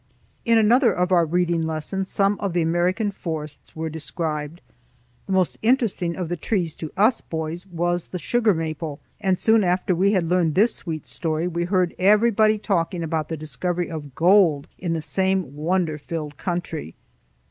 In another of our reading lessons some of the American forests were described. The most interesting of the trees to us boys was the sugar maple, and soon after we had learned this sweet story we heard everybody talking about the discovery of gold in the same wonder filled country.